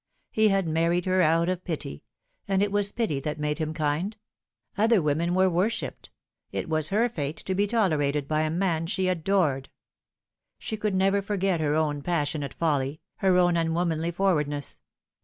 He had married her out of pity ; and it was pity that made him kind. Other women were worshipped. It was her fate to be tolerated by a man she adored. She could never forget her own passionate folly, her own unwomanly forwardness.